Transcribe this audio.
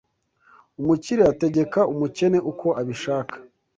Umukire ategeka umukene uko abishaka